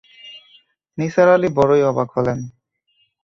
নিসার আলি বড়ই অবাক হলেন।